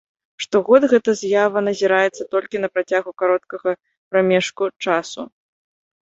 Штогод гэта з'ява назіраецца толькі на працягу кароткага прамежку часу.